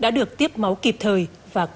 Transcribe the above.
đã được tiếp máu kịp thời và có định dịch